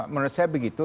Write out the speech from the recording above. menurut saya begitu